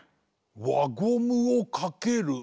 わゴムをかける。